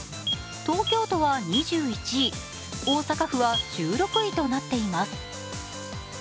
東京都は２１位、大阪府は１６位となっています。